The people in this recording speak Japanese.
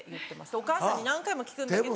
お母さんに何回も聞くんだけど。